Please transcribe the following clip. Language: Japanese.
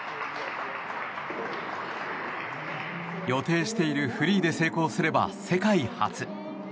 予定しているフリーで成功すれば世界初。